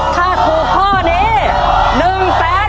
ถ้าถูกข้อนี้หนึ่งแสนบาท